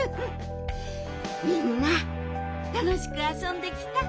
みんなたのしくあそんできた？